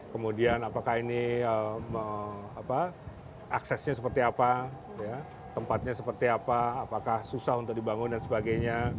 kemudian apakah ini aksesnya seperti apa tempatnya seperti apa apakah susah untuk dibangun dan sebagainya